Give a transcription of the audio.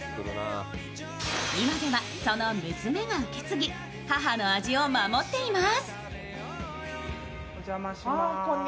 今ではその娘が受け継ぎ母の味を守っています。